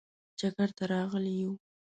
چکر ته راغلي یو.